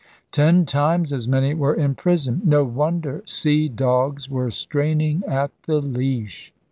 Ten times as many were in prison. No wonder sea dogs were straining at the leash.